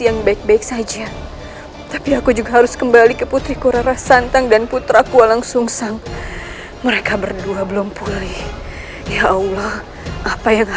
nyai ratu sekarwang